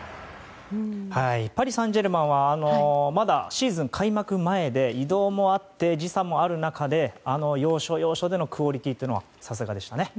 パリ・サンジェルマンはまだシーズン開幕前で移動もあって時差もある中で要所、要所でのクオリティーというのはさすがでしたね。